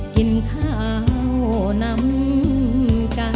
กินข้าวนำกัน